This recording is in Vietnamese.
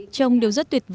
trông đều rất tuyệt vời